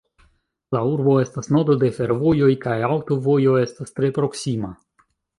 La urbo estas nodo de fervojoj kaj aŭtovojo estas tre proksima.